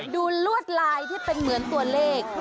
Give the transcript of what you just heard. ลวดลายที่เป็นเหมือนตัวเลข